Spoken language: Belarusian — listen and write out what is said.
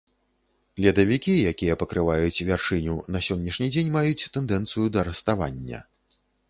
Ледавікі, якія пакрываюць вяршыню, на сённяшні дзень маюць тэндэнцыю да раставання.